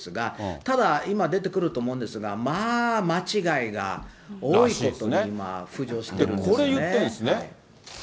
ただ、今出てくると思うんですが、まあ間違いが多いと浮上してるんこれ言ってるんですね。